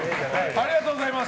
ありがとうございます！